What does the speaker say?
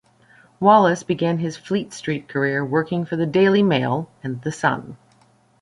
Wallace began his Fleet Street career working for the "Daily Mail" and "The Sun".